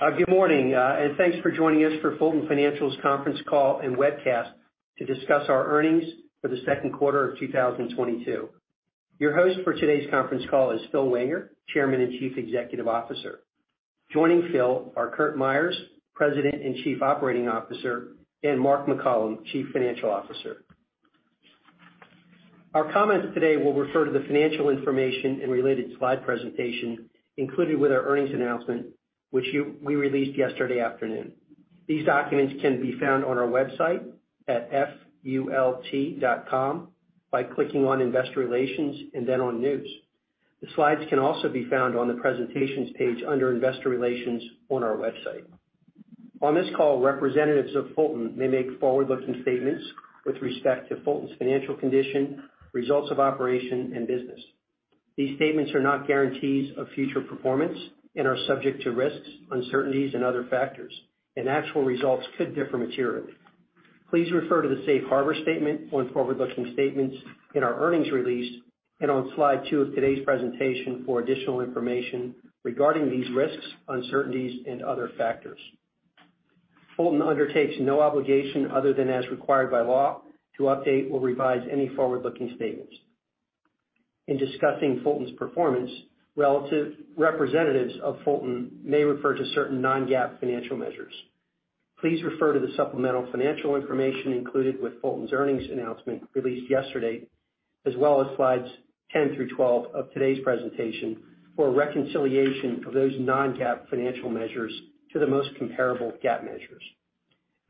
Good morning, and thanks for joining us for Fulton Financial's conference call and webcast to discuss our earnings for the second quarter of 2022. Your host for today's conference call is Phil Wenger, Chairman and Chief Executive Officer. Joining Phil are Kurt Myers, President and Chief Operating Officer, and Mark McCollom, Chief Financial Officer. Our comments today will refer to the financial information and related slide presentation included with our earnings announcement, which we released yesterday afternoon. These documents can be found on our website at fulton.com by clicking on Investor Relations and then on News. The slides can also be found on the Presentations page under Investor Relations on our website. On this call, representatives of Fulton may make forward-looking statements with respect to Fulton's financial condition, results of operations, and business. These statements are not guarantees of future performance and are subject to risks, uncertainties and other factors. Actual results could differ materially. Please refer to the Safe Harbor statement on forward-looking statements in our earnings release and on slide two of today's presentation for additional information regarding these risks, uncertainties and other factors. Fulton undertakes no obligation other than as required by law to update or revise any forward-looking statements. In discussing Fulton's performance, various representatives of Fulton may refer to certain non-GAAP financial measures. Please refer to the supplemental financial information included with Fulton's earnings announcement released yesterday, as well as slides 10 through 12 of today's presentation for a reconciliation of those non-GAAP financial measures to the most comparable GAAP measures.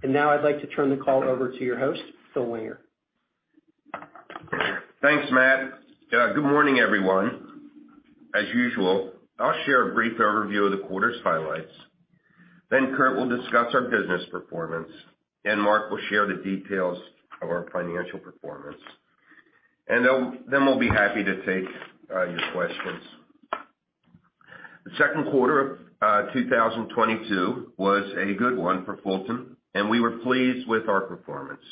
Now I'd like to turn the call over to your host, Phil Wenger. Thanks, Matt. Good morning, everyone. As usual, I'll share a brief overview of the quarter's highlights. Then Kurt will discuss our business performance, and Mark will share the details of our financial performance. Then we'll be happy to take your questions. The second quarter of 2022 was a good one for Fulton, and we were pleased with our performance.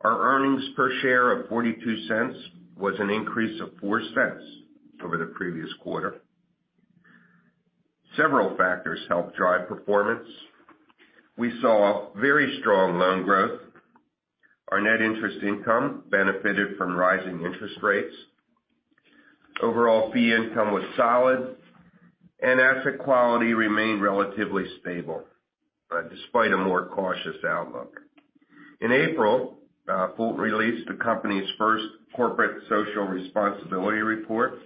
Our earnings per share of 0.42 was an increase of 0.04 over the previous quarter. Several factors helped drive performance. We saw very strong loan growth. Our net interest income benefited from rising interest rates. Overall fee income was solid, and asset quality remained relatively stable, despite a more cautious outlook. In April, Fulton released the company's first corporate social responsibility report.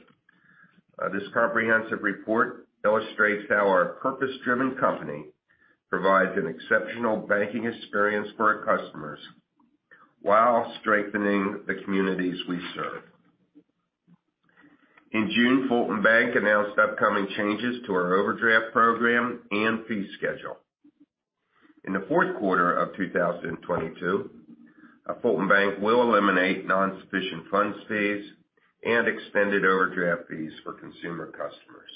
This comprehensive report illustrates how our purpose-driven company provides an exceptional banking experience for our customers while strengthening the communities we serve. In June, Fulton Bank announced upcoming changes to our overdraft program and fee schedule. In the fourth quarter of 2022, Fulton Bank will eliminate non-sufficient funds fees and extended overdraft fees for consumer customers.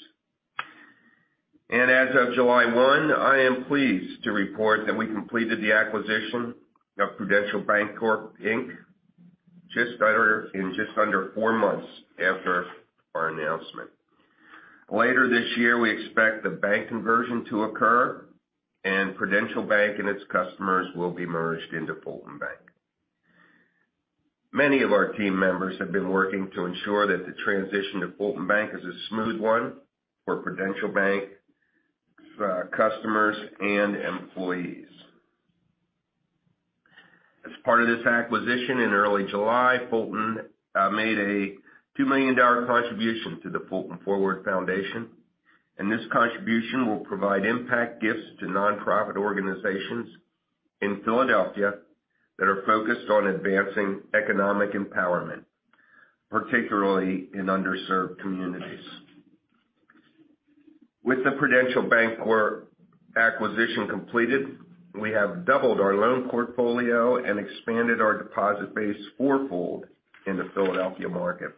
As of July 1, I am pleased to report that we completed the acquisition of Prudential Bancorp, Inc. in just under four months after our announcement. Later this year, we expect the bank conversion to occur and Prudential Bank and its customers will be merged into Fulton Bank. Many of our team members have been working to ensure that the transition to Fulton Bank is a smooth one for Prudential Bank customers and employees. As part of this acquisition in early July, Fulton made a $2 million contribution to the Fulton Forward Foundation, and this contribution will provide impact gifts to nonprofit organizations in Philadelphia that are focused on advancing economic empowerment, particularly in underserved communities. With the Prudential Bancorp acquisition completed, we have doubled our loan portfolio and expanded our deposit base four-fold in the Philadelphia market.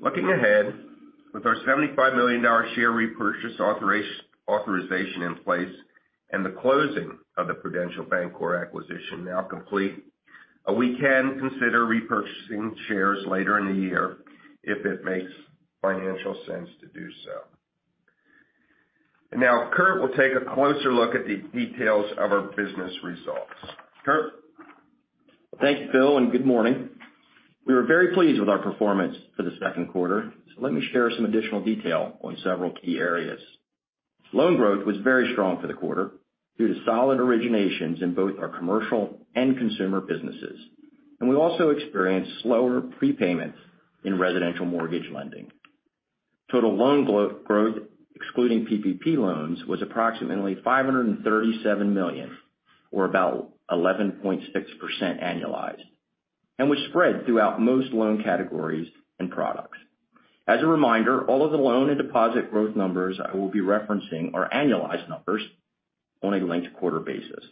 Looking ahead, with our $75 million share repurchase authorization in place and the closing of the Prudential Bancorp acquisition now complete, we can consider repurchasing shares later in the year if it makes financial sense to do so. Now, Kurt will take a closer look at the details of our business results. Kurt? Thank you, Phil, and good morning. We were very pleased with our performance for the second quarter, so let me share some additional detail on several key areas. Loan growth was very strong for the quarter due to solid originations in both our commercial and consumer businesses. We also experienced slower prepayments in residential mortgage lending. Total loan growth, excluding PPP loans, was approximately 537 million or about 11.6% annualized, and was spread throughout most loan categories and products. As a reminder, all of the loan and deposit growth numbers I will be referencing are annualized numbers on a linked quarter basis.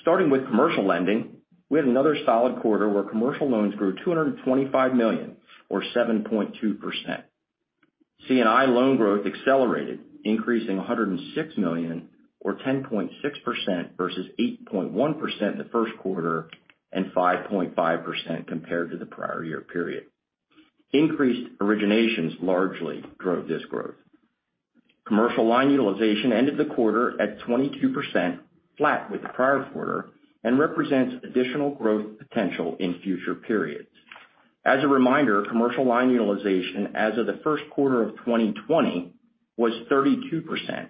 Starting with commercial lending, we had another solid quarter where commercial loans grew 225 million or 7.2%. C&I loan growth accelerated, increasing 106 million or 10.6% versus 8.1% the first quarter and 5.5% compared to the prior year period. Increased originations largely drove this growth. Commercial line utilization ended the quarter at 22%, flat with the prior quarter, and represents additional growth potential in future periods. As a reminder, commercial line utilization as of the first quarter of 2020 was 32%,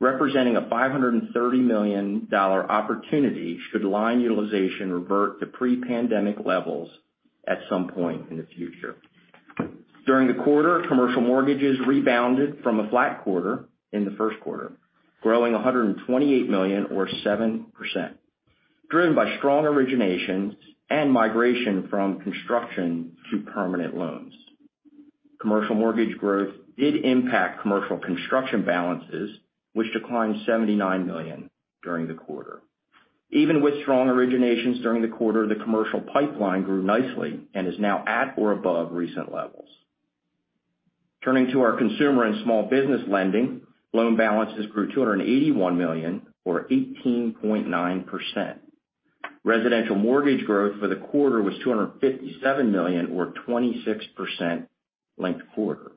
representing a $530 million opportunity should line utilization revert to pre-pandemic levels at some point in the future. During the quarter, commercial mortgages rebounded from a flat quarter in the first quarter, growing 128 million or 7%, driven by strong originations and migration from construction to permanent loans. Commercial mortgage growth did impact commercial construction balances, which declined 79 million during the quarter. Even with strong originations during the quarter, the commercial pipeline grew nicely and is now at or above recent levels. Turning to our consumer and small business lending, loan balances grew 281 million or 18.9%. Residential mortgage growth for the quarter was 257 million or 26% linked quarter.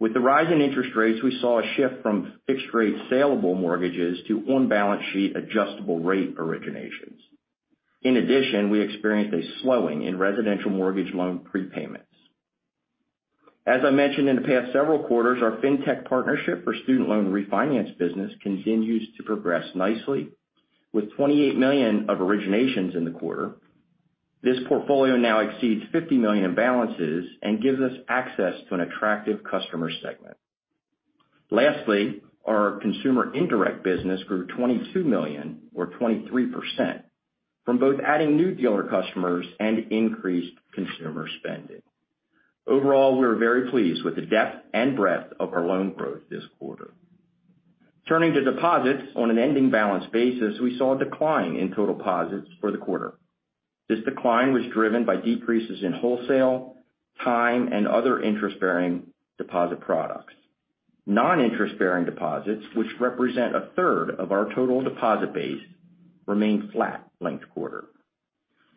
With the rise in interest rates, we saw a shift from fixed rate saleable mortgages to on-balance sheet adjustable rate originations. In addition, we experienced a slowing in residential mortgage loan prepayments. As I mentioned in the past several quarters, our fintech partnership for student loan refinance business continues to progress nicely with 28 million of originations in the quarter. This portfolio now exceeds 50 million in balances and gives us access to an attractive customer segment. Lastly, our consumer indirect business grew 22 million or 23% from both adding new dealer customers and increased consumer spending. Overall, we are very pleased with the depth and breadth of our loan growth this quarter. Turning to deposits on an ending balance basis, we saw a decline in total deposits for the quarter. This decline was driven by decreases in wholesale, time, and other interest-bearing deposit products. Non-interest-bearing deposits, which represent a third of our total deposit base, remained flat linked quarter.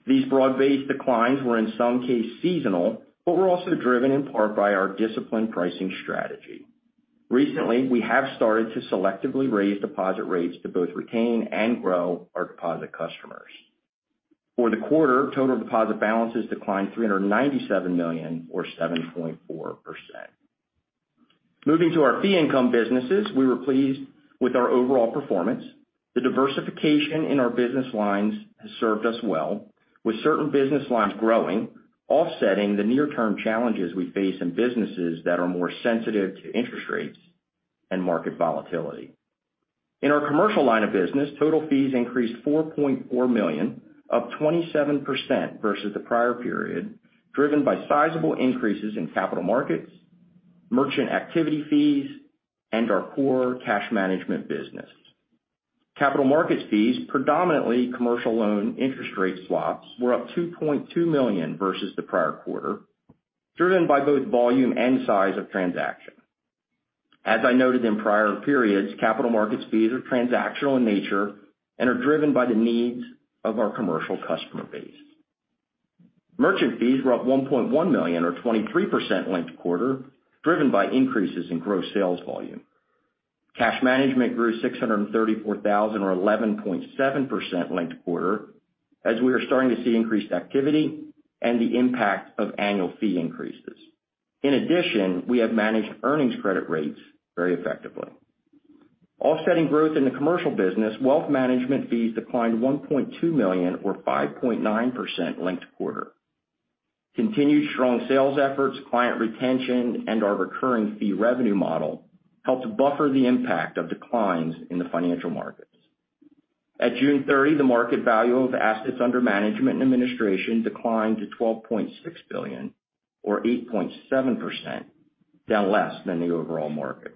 These broad-based declines were in some cases seasonal, but were also driven in part by our disciplined pricing strategy. Recently, we have started to selectively raise deposit rates to both retain and grow our deposit customers. For the quarter, total deposit balances declined 397 million or 7.4%. Moving to our fee income businesses, we were pleased with our overall performance. The diversification in our business lines has served us well, with certain business lines growing, offsetting the near-term challenges we face in businesses that are more sensitive to interest rates and market volatility. In our commercial line of business, total fees increased 4.4 million, up 27% versus the prior period, driven by sizable increases in capital markets, merchant activity fees, and our core cash management business. Capital markets fees, predominantly commercial loan interest rate swaps, were up 2.2 million versus the prior quarter, driven by both volume and size of transaction. As I noted in prior periods, capital markets fees are transactional in nature and are driven by the needs of our commercial customer base. Merchant fees were up 1.1 million or 23% linked quarter, driven by increases in gross sales volume. Cash management grew 634,000 or 11.7% linked quarter as we are starting to see increased activity and the impact of annual fee increases. In addition, we have managed earnings credit rates very effectively. Offsetting growth in the commercial business, wealth management fees declined 1.2 million or 5.9% linked quarter. Continued strong sales efforts, client retention, and our recurring fee revenue model helped buffer the impact of declines in the financial markets. At June 30, the market value of assets under management and administration declined to 12.6 billion or 8.7%, down less than the overall market.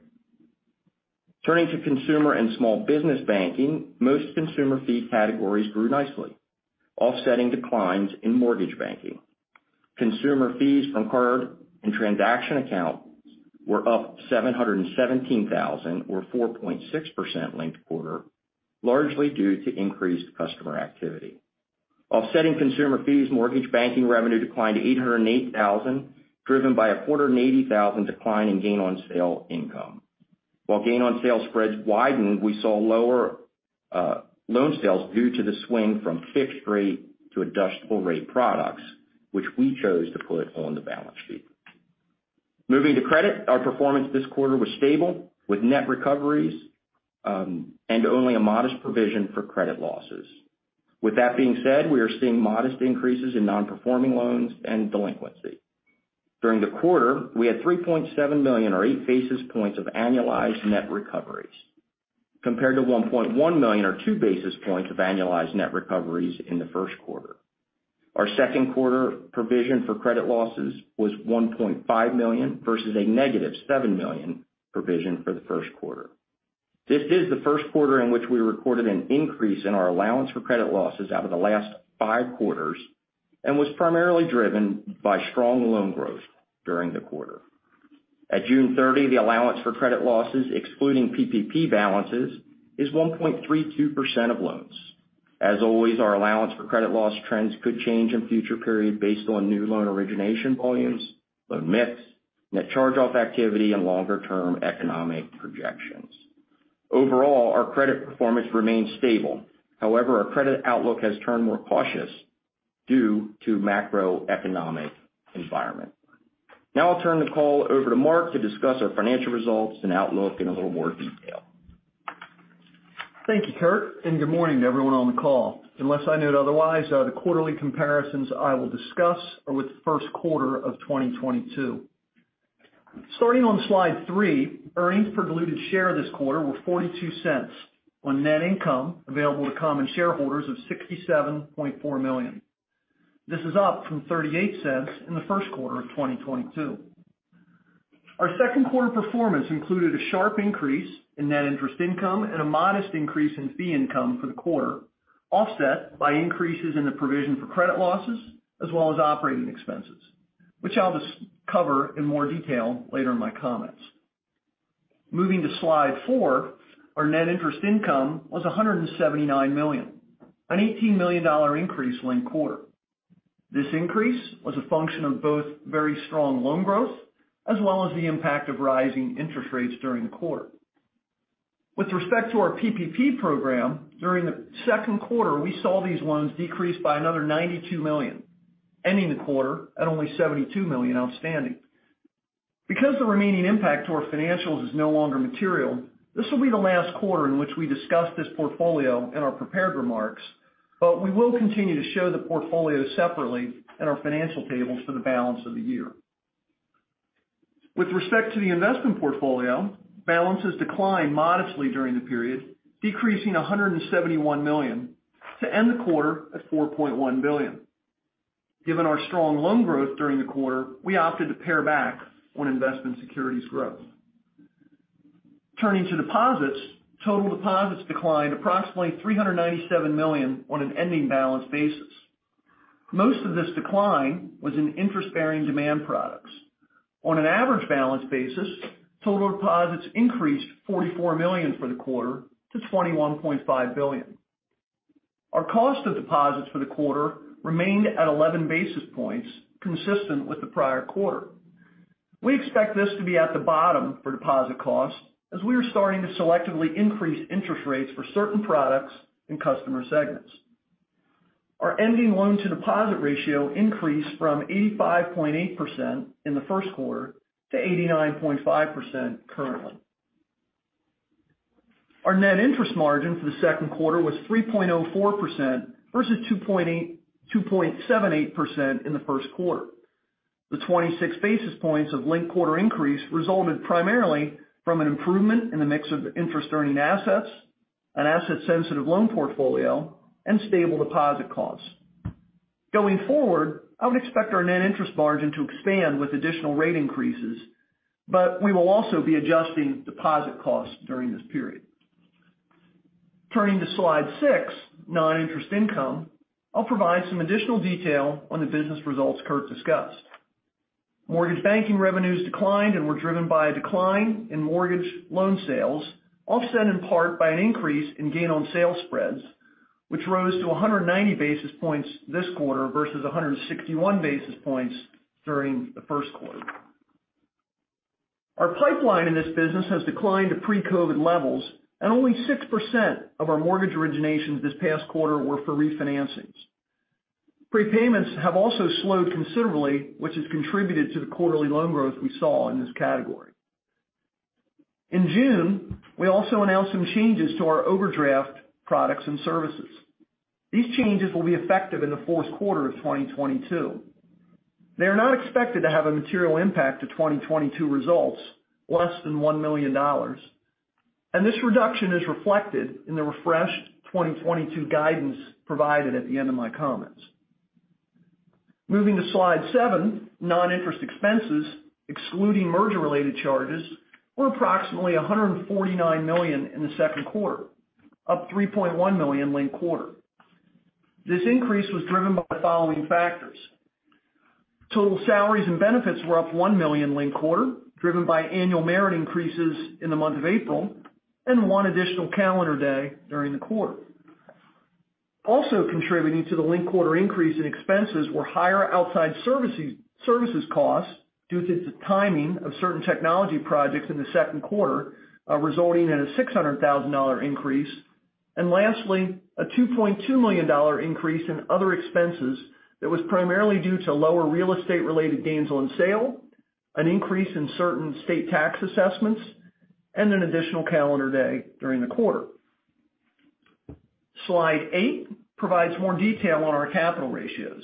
Turning to consumer and small business banking, most consumer fee categories grew nicely, offsetting declines in mortgage banking. Consumer fees from card and transaction accounts were up 717,000 or 4.6% linked quarter, largely due to increased customer activity. Offsetting consumer fees, mortgage banking revenue declined 808,000, driven by a 248,000 decline in gain on sale income. While gain on sale spreads widened, we saw lower loan sales due to the swing from fixed rate to adjustable rate products, which we chose to put on the balance sheet. Moving to credit, our performance this quarter was stable with net recoveries and only a modest provision for credit losses. With that being said, we are seeing modest increases in non-performing loans and delinquency. During the quarter, we had 3.7 million or eight basis points of annualized net recoveries compared to 1.1 million or two basis points of annualized net recoveries in the first quarter. Our second quarter provision for credit losses was 1.5 million versus a negative -7 million provision for the first quarter. This is the first quarter in which we recorded an increase in our allowance for credit losses out of the last five quarters, and was primarily driven by strong loan growth during the quarter. At June 30, the allowance for credit losses excluding PPP balances is 1.32% of loans. As always, our allowance for credit loss trends could change in future periods based on new loan origination volumes, loan mix, net charge-off activity and longer term economic projections. Overall, our credit performance remains stable. However, our credit outlook has turned more cautious due to macroeconomic environment. Now I'll turn the call over to Mark to discuss our financial results and outlook in a little more detail. Thank you, Kurt, and good morning to everyone on the call. Unless I note otherwise, the quarterly comparisons I will discuss are with the first quarter of 2022. Starting on slide three, earnings per diluted share this quarter were 0.42 on net income available to common shareholders of 67.4 million. This is up from 0.38 in the first quarter of 2022. Our second quarter performance included a sharp increase in net interest income and a modest increase in fee income for the quarter, offset by increases in the provision for credit losses as well as operating expenses, which I'll just cover in more detail later in my comments. Moving to slide four, our net interest income was 179 million, an $18 million increase linked quarter. This increase was a function of both very strong loan growth as well as the impact of rising interest rates during the quarter. With respect to our PPP program, during the second quarter, we saw these loans decrease by another 92 million, ending the quarter at only 72 million outstanding. Because the remaining impact to our financials is no longer material, this will be the last quarter in which we discuss this portfolio in our prepared remarks, but we will continue to show the portfolio separately in our financial tables for the balance of the year. With respect to the investment portfolio, balances declined modestly during the period, decreasing 171 million to end the quarter at 4.1 billion. Given our strong loan growth during the quarter, we opted to pare back on investment securities growth. Turning to deposits, total deposits declined approximately 397 million on an ending balance basis. Most of this decline was in interest-bearing demand products. On an average balance basis, total deposits increased 44 million for the quarter to 21.5 billion. Our cost of deposits for the quarter remained at 11 basis points, consistent with the prior quarter. We expect this to be at the bottom for deposit costs as we are starting to selectively increase interest rates for certain products and customer segments. Our ending loan to deposit ratio increased from 85.8% in the first quarter to 89.5% currently. Our net interest margin for the second quarter was 3.04% versus 2.78% in the first quarter. The 26 basis points of linked quarter increase resulted primarily from an improvement in the mix of interest-earning assets and asset-sensitive loan portfolio and stable deposit costs. Going forward, I would expect our net interest margin to expand with additional rate increases, but we will also be adjusting deposit costs during this period. Turning to slide six, noninterest income, I'll provide some additional detail on the business results Kurt discussed. Mortgage banking revenues declined and were driven by a decline in mortgage loan sales, offset in part by an increase in gain on sales spreads, which rose to 190 basis points this quarter versus 161 basis points during the first quarter. Our pipeline in this business has declined to pre-COVID levels, and only 6% of our mortgage originations this past quarter were for refinancings. Prepayments have also slowed considerably, which has contributed to the quarterly loan growth we saw in this category. In June, we also announced some changes to our overdraft products and services. These changes will be effective in the fourth quarter of 2022. They are not expected to have a material impact to 2022 results, less than $1 million, and this reduction is reflected in the refreshed 2022 guidance provided at the end of my comments. Moving to slide seven, noninterest expenses, excluding merger-related charges, were approximately 149 million in the second quarter, up 3.1 million linked quarter. This increase was driven by the following factors. Total salaries and benefits were up 1 million linked quarter, driven by annual merit increases in the month of April and one additional calendar day during the quarter. Also contributing to the linked quarter increase in expenses were higher outside services costs due to the timing of certain technology projects in the second quarter, resulting in a $600,000 increase. Lastly, a $2.2 million increase in other expenses that was primarily due to lower real estate-related gains on sale, an increase in certain state tax assessments, and an additional calendar day during the quarter. Slide eight provides more detail on our capital ratios.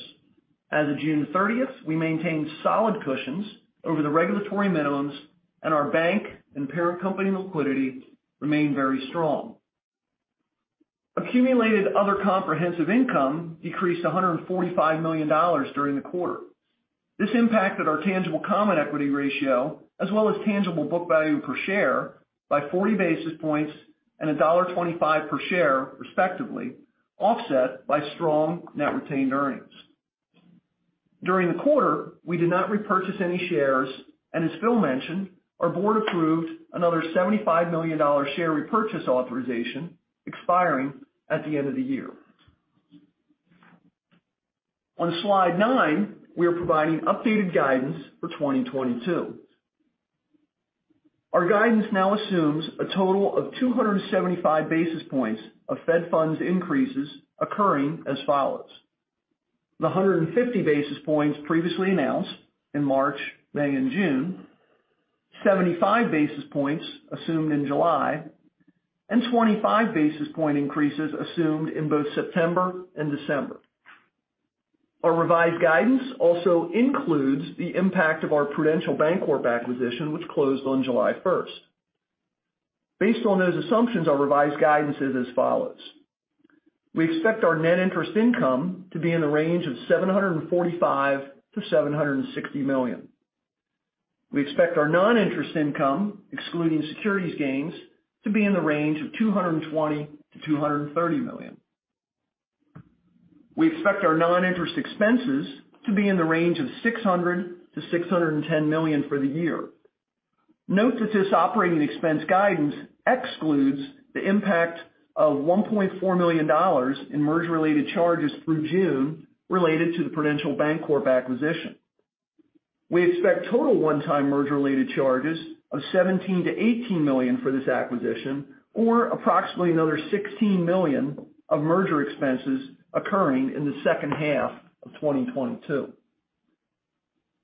As of June thirtieth, we maintained solid cushions over the regulatory minimums, and our bank and parent company liquidity remain very strong. Accumulated other comprehensive income decreased $145 million during the quarter. This impacted our tangible common equity ratio as well as tangible book value per share by 40 basis points and $1.25 per share respectively, offset by strong net retained earnings. During the quarter, we did not repurchase any shares, and as Phil mentioned, our board approved another $75 million share repurchase authorization expiring at the end of the year. On slide 9, we are providing updated guidance for 2022. Our guidance now assumes a total of 275 basis points of Fed funds increases occurring as follows. The 150 basis points previously announced in March, May and June. 75 basis points assumed in July, and 25 basis points increases assumed in both September and December. Our revised guidance also includes the impact of our Prudential Bancorp acquisition, which closed on July first. Based on those assumptions, our revised guidance is as follows. We expect our net interest income to be in the range of 745 million-760 million. We expect our non-interest income, excluding securities gains, to be in the range of 220 million-230 million. We expect our non-interest expenses to be in the range of 600 million-610 million for the year. Note that this operating expense guidance excludes the impact of $1.4 million in merger related charges through June related to the Prudential Bancorp acquisition. We expect total one-time merger related charges of 17 million-18 million for this acquisition, or approximately another 16 million of merger expenses occurring in the second half of 2022.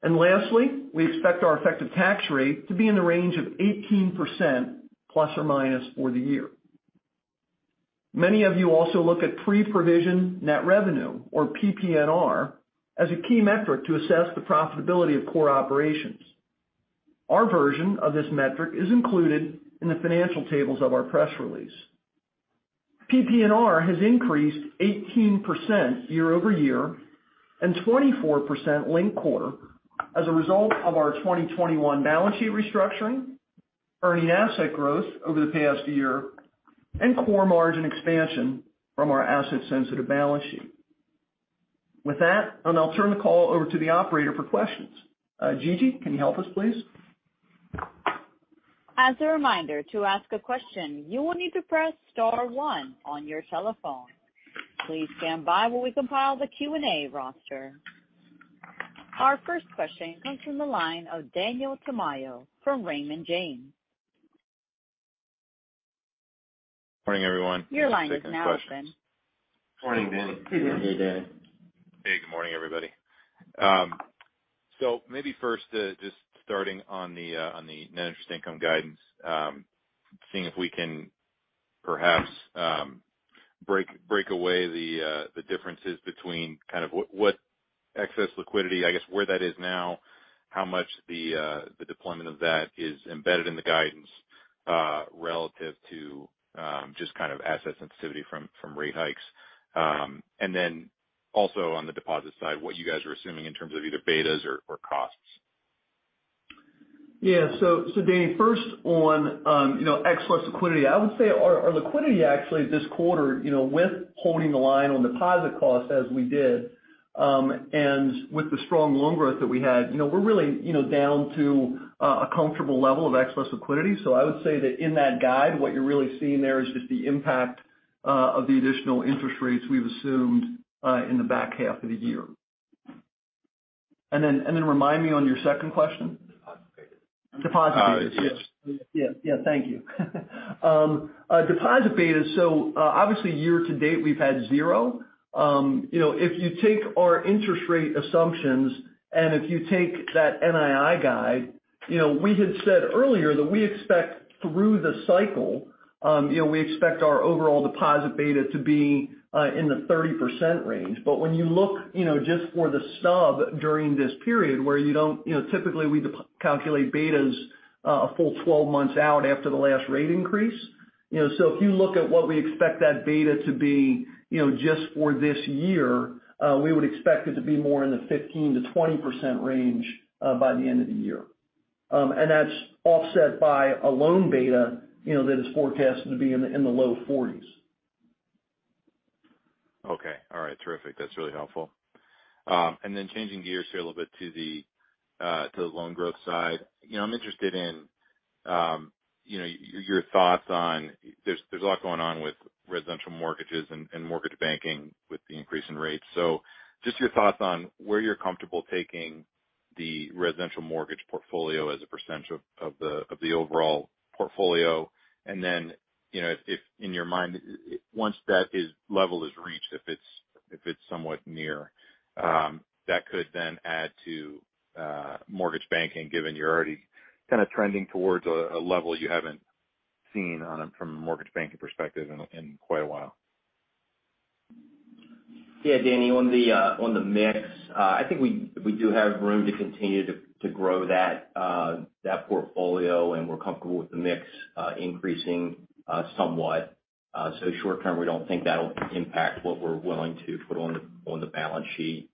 Lastly, we expect our effective tax rate to be in the range of 18% ± for the year. Many of you also look at pre-provision net revenue or PPNR as a key metric to assess the profitability of core operations. Our version of this metric is included in the financial tables of our press release. PPNR has increased 18% year-over-year and 24% linked-quarter as a result of our 2021 balance sheet restructuring, earning asset growth over the past year, and core margin expansion from our asset-sensitive balance sheet. With that, I'll turn the call over to the operator for questions. Gigi, can you help us, please? As a reminder, to ask a question, you will need to press star one on your telephone. Please stand by while we compile the Q&A roster. Our first question comes from the line of Daniel Tamayo from Raymond James. Morning, everyone. Your line is now open. Morning, Daniel. Good morning, Daniel. Hey, good morning, everybody. Maybe first, just starting on the net interest income guidance, seeing if we can perhaps break away the differences between kind of what excess liquidity, I guess, where that is now, how much the deployment of that is embedded in the guidance, relative to just kind of asset sensitivity from rate hikes. Also on the deposit side, what you guys are assuming in terms of either betas or costs. Yeah. Daniel, first on, you know, excess liquidity. I would say our liquidity actually this quarter, you know, with holding the line on deposit costs as we did, and with the strong loan growth that we had, you know, we're really, you know, down to a comfortable level of excess liquidity. I would say that in that guide, what you're really seeing there is just the impact of the additional interest rates we've assumed in the back half of the year. Then remind me on your second question. Deposit betas. Deposit betas. Yes. Yes. Yeah. Thank you. Deposit betas. Obviously year to date, we've had zero. You know, if you take our interest rate assumptions and if you take that NII guide, you know, we had said earlier that we expect through the cycle, you know, we expect our overall deposit beta to be in the 30% range. When you look, you know, just for the stub during this period where you don't, you know, typically we calculate betas a full 12 months out after the last rate increase. You know, so if you look at what we expect that beta to be, you know, just for this year, we would expect it to be more in the 15%-20% range by the end of the year. That's offset by a loan beta, you know, that is forecasted to be in the low forties. Okay. All right. Terrific. That's really helpful. Then changing gears here a little bit to the loan growth side. You know, I'm interested in, you know, your thoughts on there's a lot going on with residential mortgages and mortgage banking with the increase in rates. Just your thoughts on where you're comfortable taking the residential mortgage portfolio as a percentage of the overall portfolio. Then, you know, if in your mind, once that level is reached, if it's somewhat near, that could then add to mortgage banking, given you're already kind of trending towards a level you haven't seen on a, from a mortgage banking perspective in quite a while. Yeah, Daniel. On the mix, I think we do have room to continue to grow that portfolio, and we're comfortable with the mix increasing somewhat. Short term, we don't think that'll impact what we're willing to put on the balance sheet.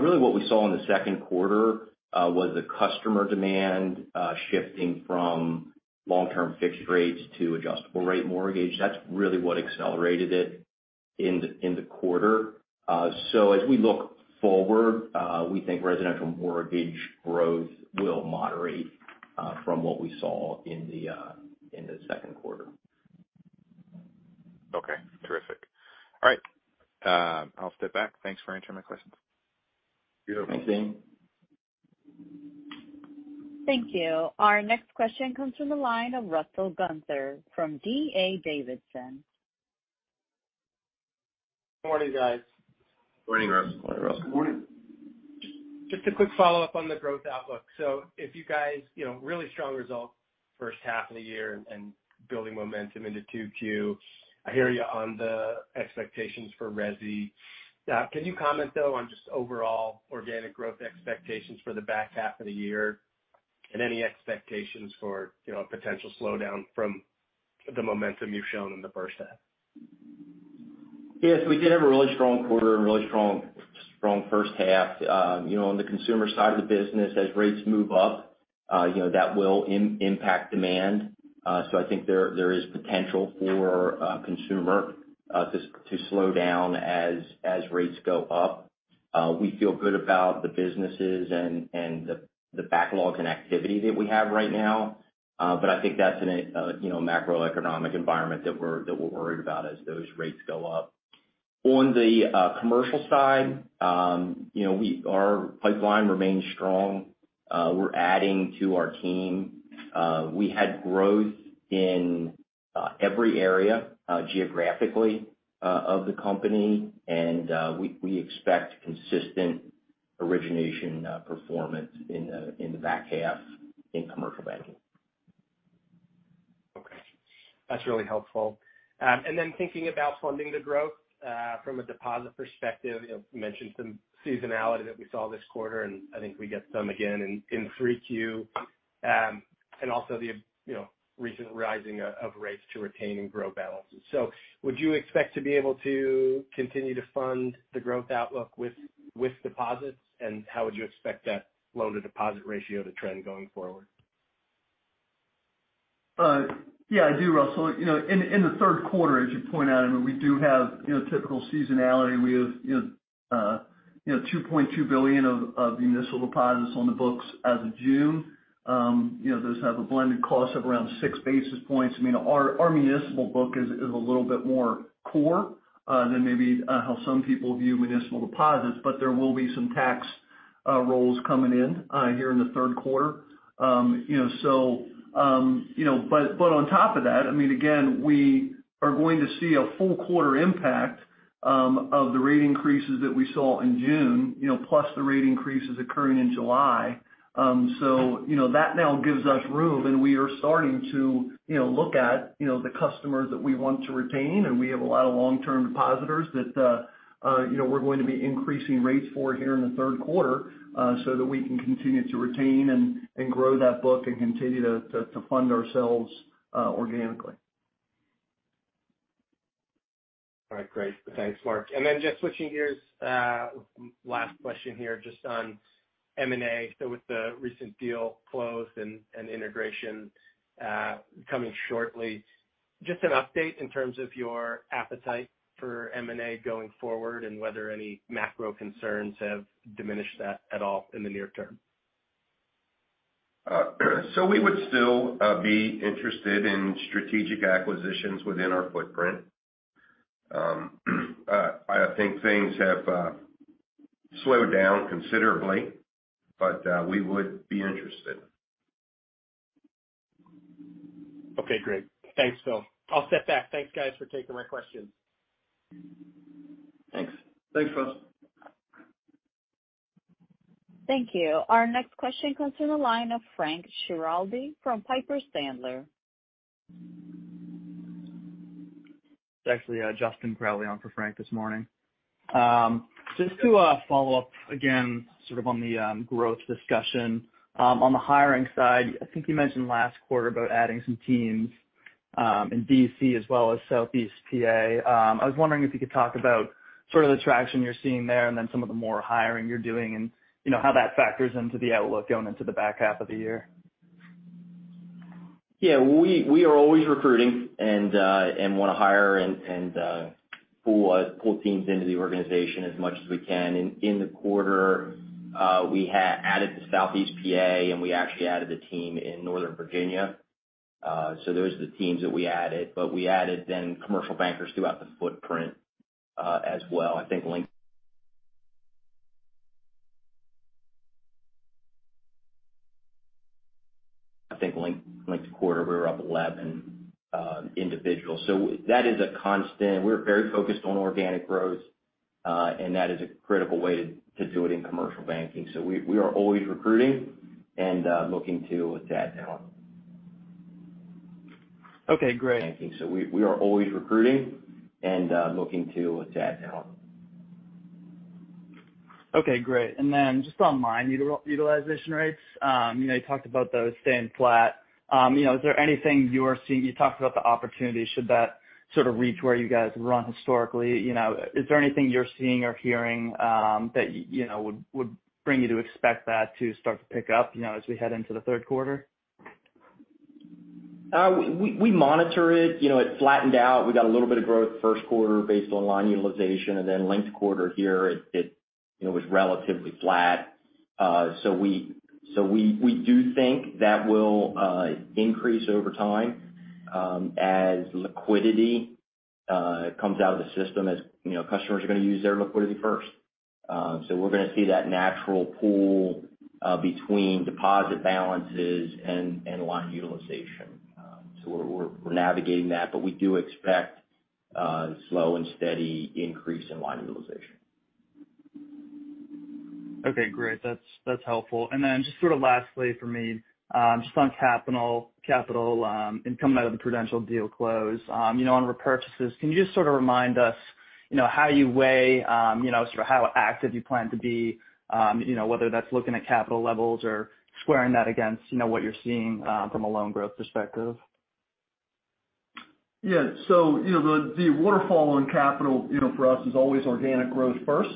Really what we saw in the second quarter was the customer demand shifting from long-term fixed rates to adjustable rate mortgage. That's really what accelerated it in the quarter. As we look forward, we think residential mortgage growth will moderate from what we saw in the second quarter. Okay. Terrific. All right. I'll step back. Thanks for answering my questions. Beautiful. Thanks, Dan. Thank you. Our next question comes from the line of Russell Gunther from D.A. Davidson. Morning, guys. Morning, Russell. Morning, Russell. Good morning. Just a quick follow-up on the growth outlook. If you guys, you know, really strong results first half of the year and building momentum into 2Q. I hear you on the expectations for resi. Can you comment though on just overall organic growth expectations for the back half of the year and any expectations for, you know, a potential slowdown from the momentum you've shown in the first half? Yes, we did have a really strong quarter and really strong first half. On the consumer side of the business, as rates move up, you know, that will impact demand. So I think there is potential for consumer to slow down as rates go up. We feel good about the businesses and the backlogs and activity that we have right now. But I think that's a macroeconomic environment that we're worried about as those rates go up. On the commercial side, you know, our pipeline remains strong. We're adding to our team. We had growth in every area geographically of the company. We expect consistent origination performance in the back half in commercial banking. Okay. That's really helpful. Thinking about funding the growth from a deposit perspective, you know, you mentioned some seasonality that we saw this quarter, and I think we get some again in 3Q. Also, the recent rising of rates to retain and grow balances. Would you expect to be able to continue to fund the growth outlook with deposits? How would you expect that loan-to-deposit ratio to trend going forward? Yeah, I do, Russell. You know, in the third quarter, as you point out, I mean, we do have typical seasonality. We have 2.2 billion of municipal deposits on the books as of June. You know, those have a blended cost of around six basis points. I mean, our municipal book is a little bit more core than maybe how some people view municipal deposits, but there will be some tax rolls coming in here in the third quarter. You know, so, you know, but on top of that, I mean, again, we are going to see a full quarter impact of the rate increases that we saw in June, you know, plus the rate increases occurring in July. you know, that now gives us room and we are starting to, you know, look at, you know, the customers that we want to retain, and we have a lot of long-term depositors that, you know, we're going to be increasing rates for here in the third quarter, so that we can continue to retain and grow that book and continue to fund ourselves organically. All right. Great. Thanks, Mark. Then just switching gears, last question here just on M and A. With the recent deal closed and integration coming shortly, just an update in terms of your appetite for M and A going forward and whether any macro concerns have diminished that at all in the near term. We would still be interested in strategic acquisitions within our footprint. I think things have slowed down considerably, but we would be interested. Okay, great. Thanks, Phil. I'll step back. Thanks, guys, for taking my questions. Thanks. Thanks, Russell. Thank you. Our next question comes to the line of Frank Schiraldi from Piper Sandler. It's actually Justin Crowley on for Frank this morning. Just to follow up again sort of on the growth discussion, on the hiring side, I think you mentioned last quarter about adding some teams, in D.C. as well as Southeast P.A. I was wondering if you could talk about sort of the traction you're seeing there and then some of the more hiring you're doing and, you know, how that factors into the outlook going into the back half of the year. Yeah. We are always recruiting and want to hire and pull teams into the organization as much as we can. In the quarter, we added the Southeast PA, and we actually added a team in Northern Virginia. There's the teams that we added, but we added ten commercial bankers throughout the footprint, as well. I think last quarter, we were up 11 individuals. That is a constant. We're very focused on organic growth, and that is a critical way to do it in commercial banking. We are always recruiting and looking to add talent. Okay, great. We are always recruiting and looking to add talent. Okay, great. Then just on line utilization rates, you know, you talked about those staying flat. You know, is there anything you are seeing? You talked about the opportunity, should that sort of reach where you guys run historically, you know, is there anything you're seeing or hearing, that you know, would bring you to expect that to start to pick up, you know, as we head into the third quarter? We monitor it. You know, it flattened out. We got a little bit of growth first quarter based on line utilization, and then linked quarter, you know, was relatively flat. We do think that will increase over time, as liquidity comes out of the system as, you know, customers are going to use their liquidity first. We're going to see that natural pull between deposit balances and line utilization. We're navigating that, but we do expect slow and steady increase in line utilization. Okay, great. That's helpful. Just sort of lastly for me, just on capital, and coming out of the Prudential deal close, you know, on repurchases, can you just sort of remind us, you know, how you weigh, you know, sort of how active you plan to be, you know, whether that's looking at capital levels or squaring that against, you know, what you're seeing from a loan growth perspective? Yeah. You know, the waterfall on capital, you know, for us is always organic growth first.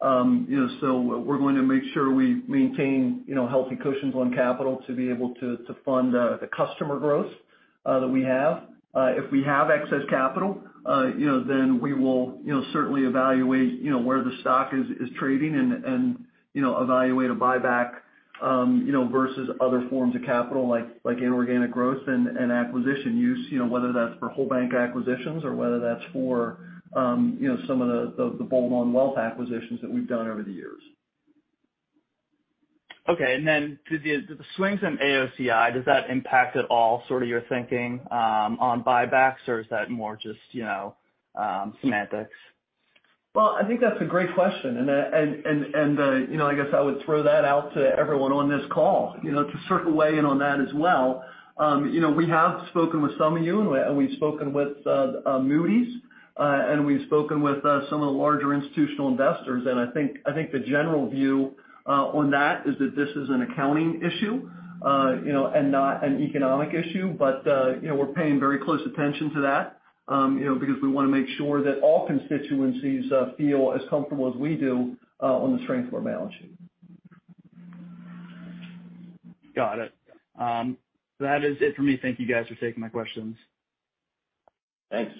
You know, we're going to make sure we maintain, you know, healthy cushions on capital to be able to fund the customer growth that we have. If we have excess capital, you know, then we will, you know, certainly evaluate, you know, where the stock is trading and, you know, evaluate a buyback, you know, versus other forms of capital like inorganic growth and acquisition use, you know, whether that's for whole bank acquisitions or whether that's for, you know, some of the bolt-on wealth acquisitions that we've done over the years. Okay. Do the swings in AOCI, does that impact at all sort of your thinking on buybacks, or is that more just, you know, semantics? Well, I think that's a great question. You know, I guess I would throw that out to everyone on this call, you know, to sort of weigh in on that as well. You know, we have spoken with some of you, and we've spoken with Moody's, and we've spoken with some of the larger institutional investors. I think the general view on that is that this is an accounting issue, you know, and not an economic issue. You know, we're paying very close attention to that, you know, because we want to make sure that all constituencies feel as comfortable as we do on the strength of our balance sheet. Got it. That is it for me. Thank you guys for taking my questions. Thanks.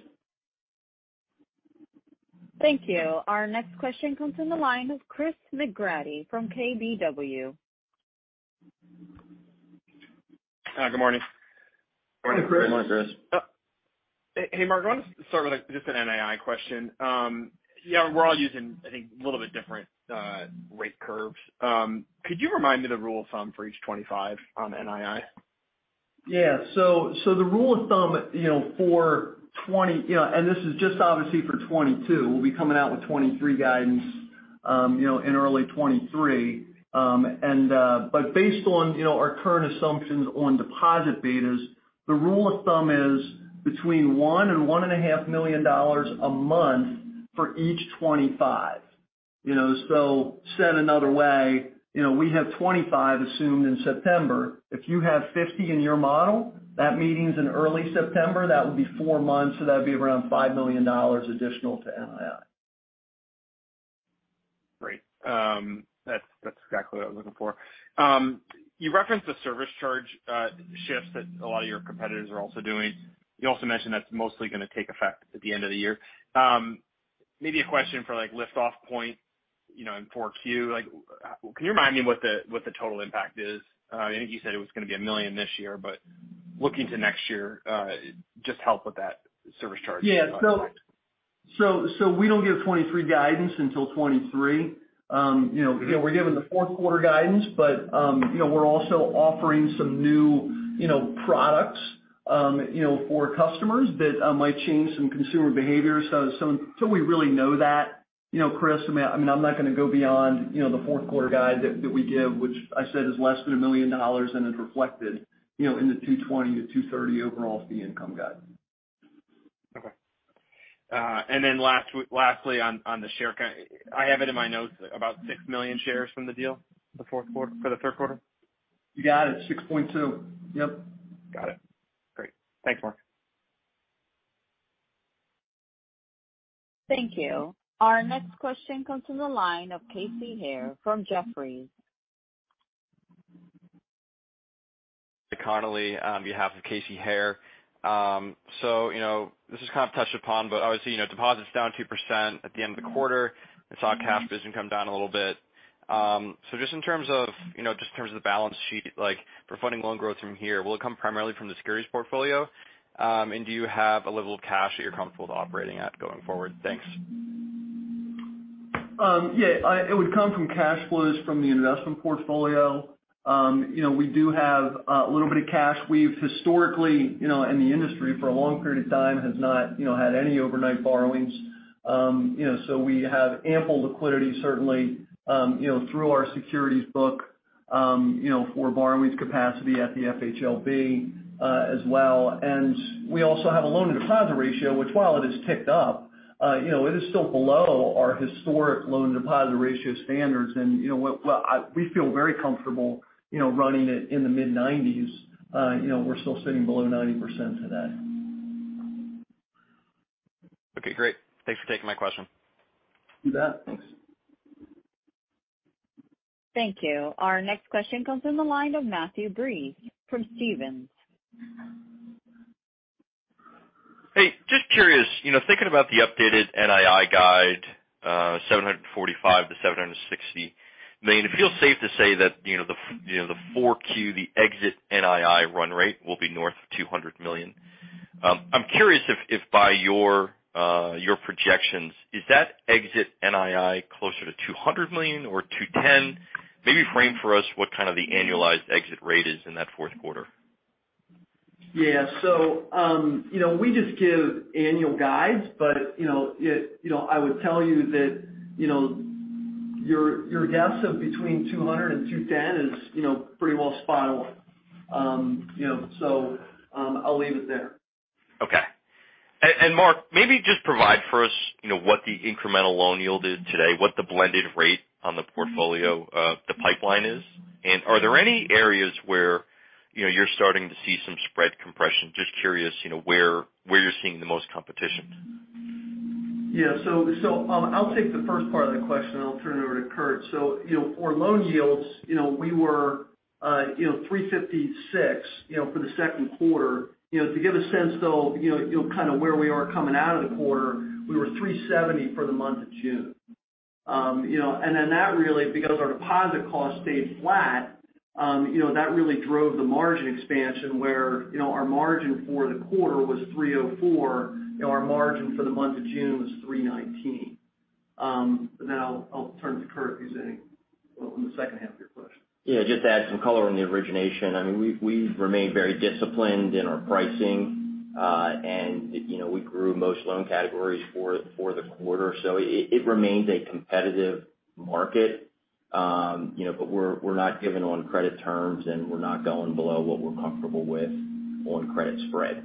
Thank you. Our next question comes from the line of Chris McGratty from KBW. Hi, good morning. Morning, Chris. Hey, Mark, I want to start with, like, just an NII question. You know, we're all using, I think, a little bit different rate curves. Could you remind me the rule of thumb for each 25 on NII? The rule of thumb, you know, for 2022. This is just obviously for 2022. We'll be coming out with 2023 guidance, you know, in early 2023. Based on, you know, our current assumptions on deposit betas, the rule of thumb is between $1 million and $1.5 million a month for each 25. You know, so said another way, you know, we have 25 assumed in September. If you have 50 in your model, that'd mean it's in early September, that would be four months, so that'd be around $5 million additional to NII. Great. That's exactly what I was looking for. You referenced the service charge shifts that a lot of your competitors are also doing. You also mentioned that's mostly going to take effect at the end of the year. Maybe a question for, like, liftoff point, you know, in 4Q. Like, can you remind me what the total impact is? I think you said it was going to be 1 million this year, but looking to next year, just help with that service charge. Yeah. We don't give 2023 guidance until 2023. You know, again, we're giving the fourth quarter guidance, but you know, we're also offering some new, you know, products, you know, for customers that might change some consumer behavior. Till we really know that, you know, Chris, I mean, I'm not going to go beyond, you know, the fourth quarter guide that we give, which I said is less than $1 million and is reflected, you know, in the 220-230 overall fee income guide. Lastly on the share count, I have it in my notes, about 6 million shares from the deal for the third quarter? You got it, 6.2. Yep. Got it. Great. Thanks, Mark. Thank you. Our next question comes from the line of Casey Haire from Jefferies. Connolly on behalf of Casey Haire. You know, this is kind of touched upon, but obviously, you know, deposits down 2% at the end of the quarter. I saw cash business come down a little bit. Just in terms of the balance sheet, like for funding loan growth from here, will it come primarily from the securities portfolio? Do you have a level of cash that you're comfortable operating at going forward? Thanks. It would come from cash flows from the investment portfolio. You know, we do have a little bit of cash. We've historically, you know, in the industry for a long period of time, have not, you know, had any overnight borrowings. You know, so we have ample liquidity certainly, you know, through our securities book, you know, for borrowing capacity at the FHLB, as well. We also have a loan-to-deposit ratio, which while it has ticked up, you know, it is still below our historic loan-to-deposit ratio standards. You know, we feel very comfortable, you know, running it in the mid-90s. You know, we're still sitting below 90% today. Okay, great. Thanks for taking my question. You bet. Thanks. Thank you. Our next question comes from the line of Matthew Breese from Stephens. Hey, just curious, you know, thinking about the updated NII guide, 745 million-760 million, it feels safe to say that, you know, the 4Q, the exit NII run rate will be north of 200 million. I'm curious if, by your projections, is that exit NII closer to 200 million or 210? Maybe frame for us what kind of the annualized exit rate is in that fourth quarter. Yeah, you know, we just give annual guides, but you know, it, you know, I would tell you that, you know, your guess of between 200 and 210 is, you know, pretty well spot on. You know, I'll leave it there. Okay. Mark, maybe just provide for us, you know, what the incremental loan yield did today, what the blended rate on the portfolio, the pipeline is. Are there any areas where, you know, you're starting to see some spread compression? Just curious, you know, where you're seeing the most competition. Yeah, I'll take the first part of the question, then I'll turn it over to Kurt. You know, for loan yields, you know, we were 3.56% for the second quarter. You know, to give a sense though, you know, kind of where we are coming out of the quarter, we were 3.70% for the month of June. You know, and then that really, because our deposit cost stayed flat, you know, that really drove the margin expansion where, you know, our margin for the quarter was 3.04%, you know, our margin for the month of June was 3.19%. But then I'll turn to Kurt if he has any on the second half of your question. Yeah, just to add some color on the origination. I mean, we've remained very disciplined in our pricing. You know, we grew most loan categories for the quarter. It remains a competitive market, you know, but we're not giving on credit terms, and we're not going below what we're comfortable with on credit spread.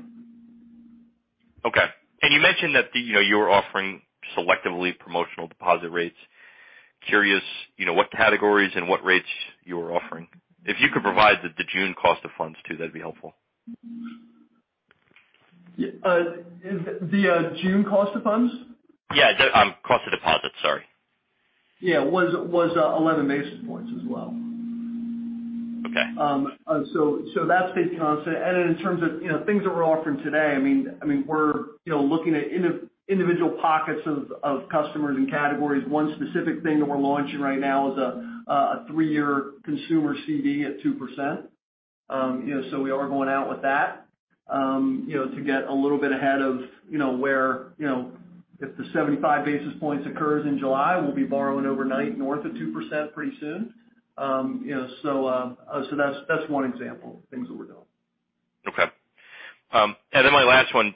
Okay. You mentioned that the, you know, you're offering selectively promotional deposit rates. Curious, you know, what categories and what rates you're offering. If you could provide the June cost of funds too, that'd be helpful. Yeah, the June cost of funds? Yeah. The cost of deposits, sorry. Yeah. Was 11 basis points as well. Okay. That's basically constant. In terms of, you know, things that we're offering today, I mean, we're, you know, looking at individual pockets of customers and categories. One specific thing that we're launching right now is a three-year consumer CD at 2%. You know, we are going out with that, you know, to get a little bit ahead of, you know, where, you know, if the 75 basis points occurs in July, we'll be borrowing overnight north of 2% pretty soon. You know, that's one example of things that we're doing. Okay. My last one,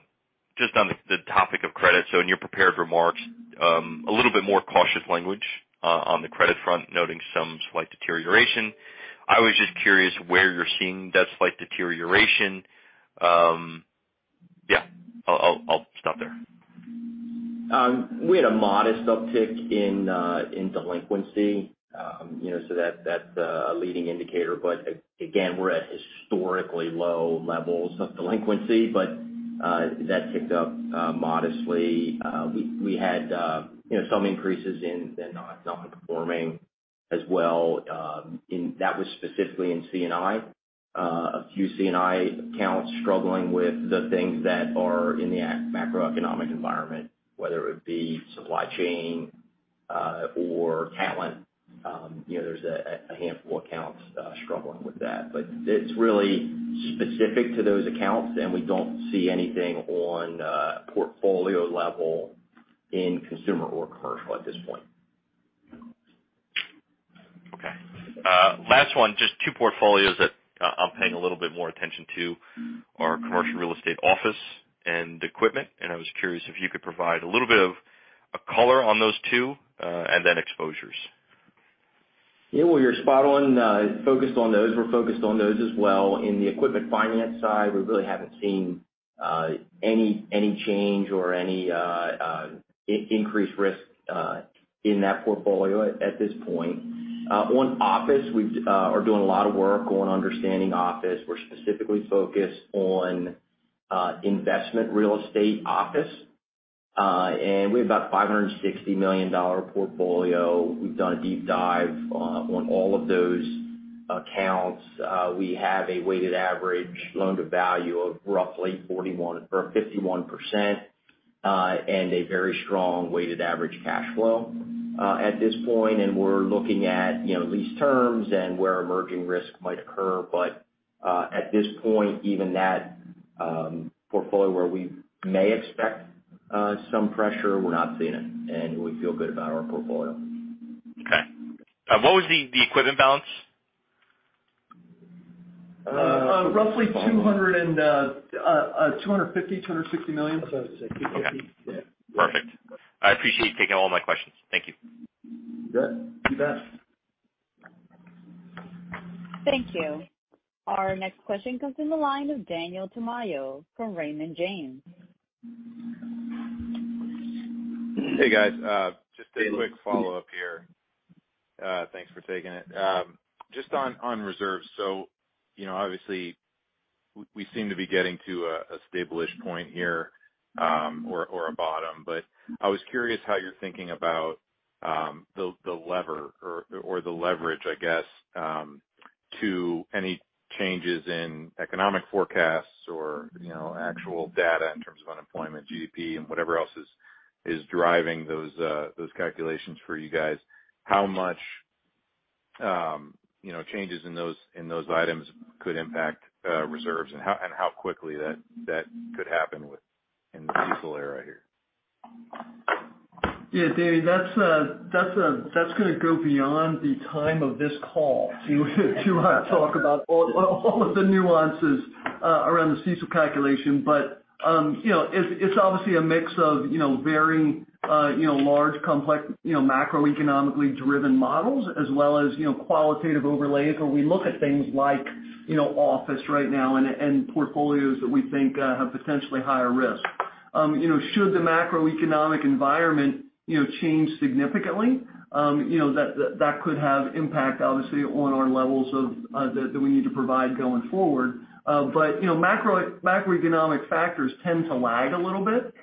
just on the topic of credit. In your prepared remarks, a little bit more cautious language on the credit front, noting some slight deterioration. I was just curious where you're seeing that slight deterioration. I'll stop there. We had a modest uptick in delinquency. You know, that's a leading indicator, but again, we're at historically low levels of delinquency. That ticked up modestly. We had, you know, some increases in the nonperforming as well, in that was specifically in C&I. A few C&I accounts struggling with the things that are in the macroeconomic environment, whether it be supply chain or talent. You know, there's a handful of accounts struggling with that. It's really specific to those accounts, and we don't see anything on portfolio level in consumer or commercial at this point. Okay. Last one, just two portfolios that I'm paying a little bit more attention to are commercial real estate office and equipment. I was curious if you could provide a little bit of a color on those two and then exposures. Yeah. Well, you're spot on, focused on those. We're focused on those as well. In the equipment finance side, we really haven't seen any change or any increased risk in that portfolio at this point. On office, we're doing a lot of work on understanding office. We're specifically focused on investment real estate office. And we have about $560 million dollar portfolio. We've done a deep dive on all of those accounts. We have a weighted average loan-to-value of roughly 41% or 51%, and a very strong weighted average cash flow at this point. We're looking at, you know, lease terms and where emerging risk might occur. At this point, even that portfolio where we may expect some pressure, we're not seeing it, and we feel good about our portfolio. Okay. What was the equipment balance? Roughly 250-260 million. I was about to say 250. Okay. Yeah. Perfect. I appreciate you taking all my questions. Thank you. You bet. Thank you. Our next question comes from the line of Daniel Tamayo from Raymond James. Hey, guys. Just a quick follow-up here. Thanks for taking it. Just on reserves. You know, obviously we seem to be getting to a stable-ish point here, or a bottom. I was curious how you're thinking about the lever or the leverage, I guess, to any changes in economic forecasts or actual data in terms of unemployment, GDP and whatever else is driving those calculations for you guys. How much changes in those items could impact reserves and how quickly that could happen within the CECL era here. Yeah, Daniel Tamayo, that's going to go beyond the time of this call to talk about all of the nuances around the CECL calculation. You know, it's obviously a mix of you know, very you know, large, complex you know, macroeconomically driven models as well as you know, qualitative overlays where we look at things like you know, office right now and portfolios that we think have potentially higher risk. You know, should the macroeconomic environment you know, change significantly you know, that could have impact obviously on our levels of that we need to provide going forward. You know, macroeconomic factors tend to lag a little bit.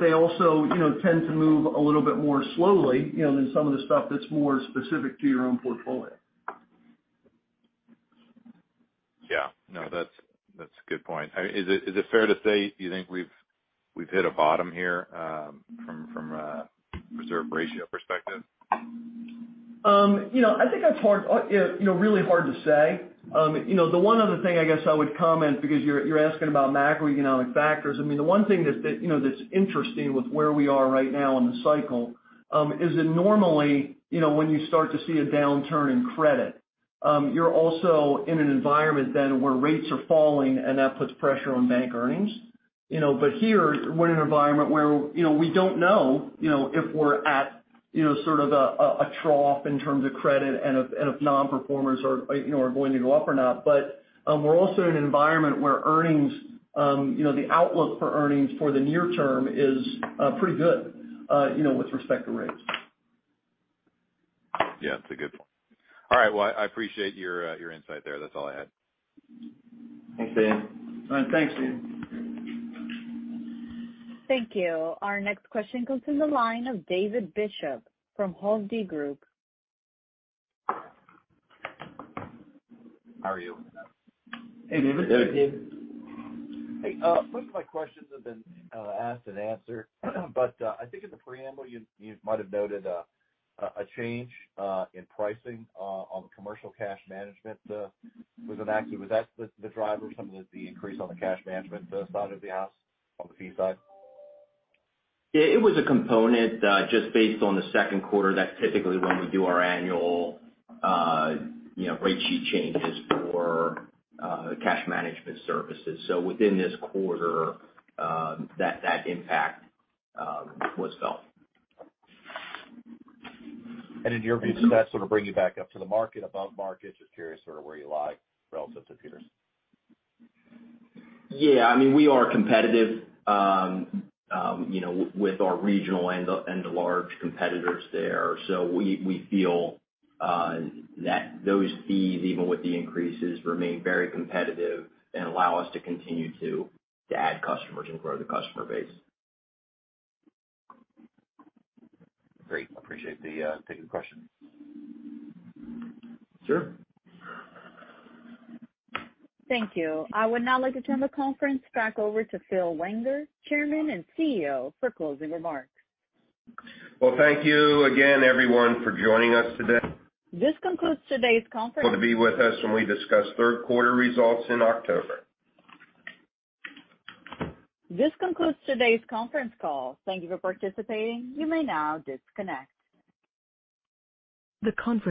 They also, you know, tend to move a little bit more slowly, you know, than some of the stuff that's more specific to your own portfolio. Yeah. No, that's a good point. I mean, is it fair to say you think we've hit a bottom here, from a reserve ratio perspective? You know, I think that's hard, you know, really hard to say. You know, the one other thing I guess I would comment because you're asking about macroeconomic factors. I mean, the one thing that you know, that's interesting with where we are right now in the cycle is that normally, you know, when you start to see a downturn in credit, you're also in an environment then where rates are falling, and that puts pressure on bank earnings. You know, but here we're in an environment where, you know, we don't know, you know, if we're at, you know, sort of a trough in terms of credit and if non-performers are, you know, are going to go up or not. We're also in an environment where earnings, you know, the outlook for earnings for the near term is pretty good, you know, with respect to rates. Yeah, that's a good point. All right, well, I appreciate your insight there. That's all I had. Thanks, Daniel Tamayo. All right, thanks, Daniel Tamayo. Thank you. Our next question comes from the line of David Bishop from Hovde Group. How are you? Hey, David. Hey, David. Hey. Most of my questions have been asked and answered. I think in the preamble you might have noted a change in pricing on the commercial cash management with ECR. Was that the driver of some of the increase on the cash management side of the house on the fee side? Yeah, it was a component, just based on the second quarter. That's typically when we do our annual, you know, rate sheet changes for, cash management services. Within this quarter, that impact was felt. In your view, does that sort of bring you back up to the market, above market? Just curious sort of where you lie relative to peers. Yeah, I mean, we are competitive, you know, with our regional and the large competitors there. We feel that those fees, even with the increases, remain very competitive and allow us to continue to add customers and grow the customer base. Great. Appreciate you taking the question. Sure. Thank you. I would now like to turn the conference back over to Philip Wenger, Chairman and CEO, for closing remarks. Well, thank you again, everyone, for joining us today. This concludes today's conference. To be with us when we discuss third quarter results in October. This concludes today's conference call. Thank you for participating. You may now disconnect. The conference-